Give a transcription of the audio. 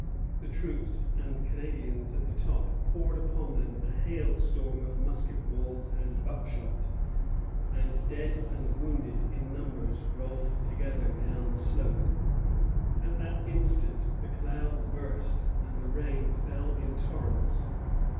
the troops and Canadians at the top poured upon them a hailstorm of musket balls and buckshot, and dead and wounded in numbers rolled together down the slope. At that instant the clouds burst, and the rain fell in torrents.